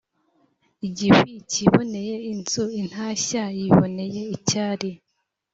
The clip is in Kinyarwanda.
Igishwi cyiboneye inzu Intashya yiboneye icyari